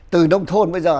từ nông thôn bây giờ